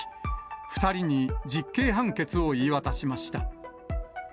２人に実刑判決を言い渡しました。